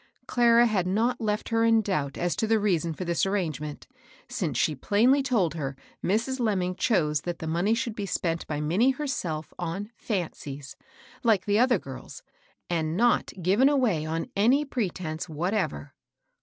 Clara had not left her in doubt as to the reason for this arrangement, since she plainly told her Mrs. Lemming chose that the money should be spent by Minnie herself on "fancies," like the other girls, and not given away on any pretence what ever.